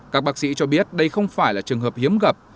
các bác sĩ cho biết đây không phải là trường hợp hiếm gặp